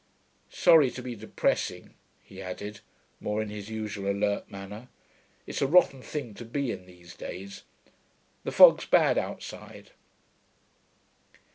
Sorry to be depressing,' he added, more in his usual alert manner; 'it's a rotten thing to be in these days.... The fog's bad outside.'